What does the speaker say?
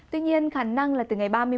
tuy nhiên khả năng là từ ngày ba mươi một